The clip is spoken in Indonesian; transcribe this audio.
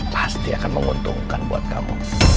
pasti akan menguntungkan buat kamu